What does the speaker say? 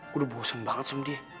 udah bosen banget sama dia